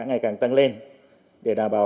ngày càng tăng lên để đảm bảo